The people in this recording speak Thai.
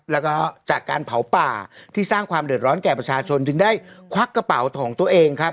แล้วก็จากการเผาป่าที่สร้างความเดือดร้อนแก่ประชาชนจึงได้ควักกระเป๋าของตัวเองครับ